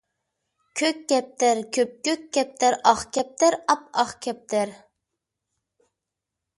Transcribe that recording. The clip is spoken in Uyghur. كۆك كەپتەر – كۆپكۆك كەپتەر، ئاق كەپتەر - ئاپئاق كەپتەر